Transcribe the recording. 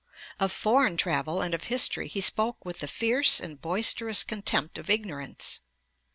Of foreign travel and of history he spoke with the fierce and boisterous contempt of ignorance.